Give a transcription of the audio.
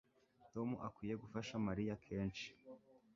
Tom akwiye gufasha Mariya kenshi